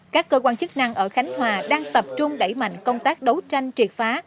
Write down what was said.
các cơ quan chức năng ở khánh hòa đang tập trung đẩy mạnh công tác đấu tranh triệt phá